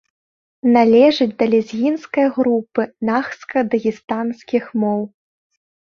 Належыць да лезгінскай групы нахска-дагестанскіх моў.